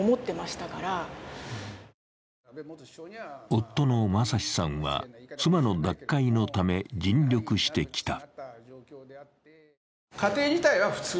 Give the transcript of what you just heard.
夫の正志さんは妻の脱会のため尽力してきた。